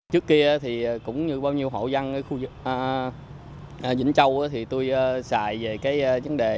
trước kia thì cũng như bao nhiêu hộ dân ở khu vực vĩnh châu thì tôi xài về cái vấn đề